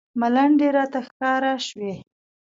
ملنډې راته ښکاره شوې.